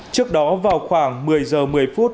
trước đó vào khoảng một mươi giờ một mươi phút